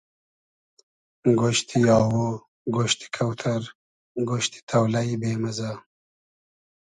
گۉشتی آوو, گۉشتی کۆتئر, گۉشتی تۆلݷ بې مئزۂ